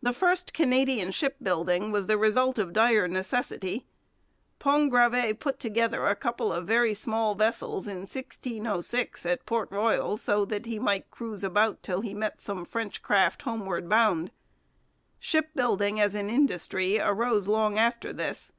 The first Canadian shipbuilding was the result of dire necessity. Pont Gravé put together a couple of very small vessels in 1606 at Port Royal so that he might cruise about till he met some French craft homeward bound. Shipbuilding as an industry arose long after this.